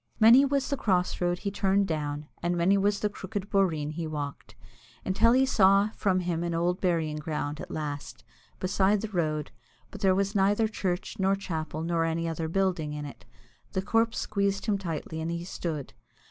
Many was the cross road he turned down, and many was the crooked boreen he walked, until he saw from him an old burying ground at last, beside the road, but there was neither church nor chapel nor any other building in it. The corpse squeezed him tightly, and he stood.